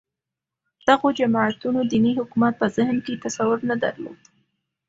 دغو جماعتونو دیني حکومت په ذهن کې تصور نه درلود